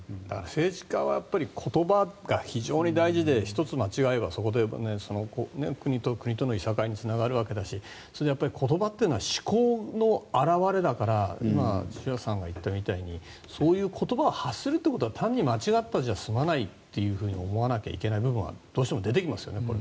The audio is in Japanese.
政治家は言葉が非常に大事で１つ間違えば国と国とのいさかいにつながるわけだし言葉っていうのは思考の表れだから千々岩さんが言ったみたいにそういう言葉を発するということは済まないというふうに思わなきゃいけない部分は出てきますよね。